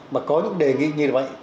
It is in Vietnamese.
mà có những đề nghị như vậy